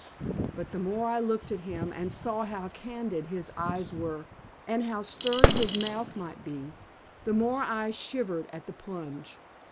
But the more I looked at him and saw how candid his eyes were, and how stern his mouth might be, the more I shivered at the plunge.